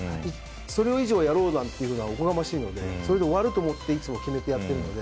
それ以上やろうなんていうのはおこがましいのでそれで終わると思っていつも決めてやってるので。